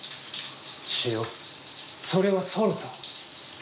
塩それはソルト。